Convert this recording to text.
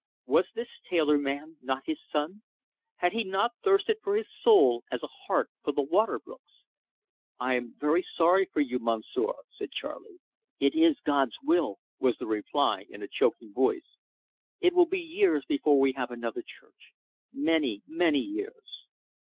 Was this tailor man not his son? Had he not thirsted for his soul as a hart for the water brooks? "I am very sorry for you, Monsieur," said Charley. "It is God's will," was the reply, in a choking voice. "It will be years before we have another church many, many years."